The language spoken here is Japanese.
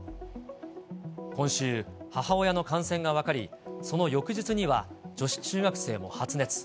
今週、母親の感染が分かり、その翌日には女子中学生も発熱。